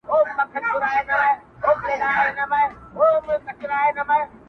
قرنطین دی لګېدلی د سرکار امر چلیږي-